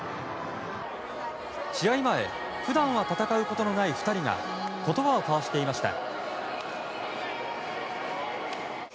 試合前普段は戦うことのない２人が言葉を交わしていました。